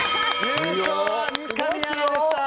優勝は三上アナでした。